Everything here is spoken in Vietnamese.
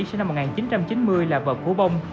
sẽ năm một nghìn chín trăm chín mươi là vợ phú bông